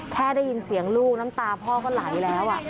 แค่ได้ยินเสียงลูกน้ำตาพ่อก็ไหลแล้ว